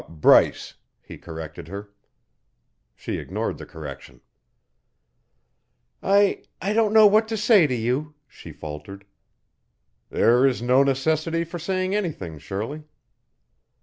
"Bryce," he corrected her. She ignored the correction, "I I don't know what to say to you," she faltered. "There is no necessity for saying anything, Shirley."